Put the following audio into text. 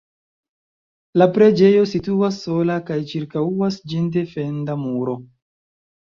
La preĝejo situas sola kaj ĉirkaŭas ĝin defenda muro.